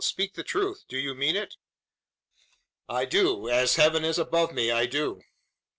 Speak the truth! Do you mean it?" "I do! As heaven is above me, I do!"